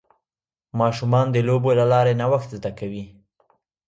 ماشومان د لوبو له لارې نوښت زده کوي.